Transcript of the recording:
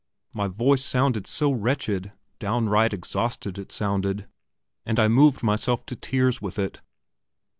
My voice sounded so wretched, downright exhausted it sounded, and I moved myself to tears with it.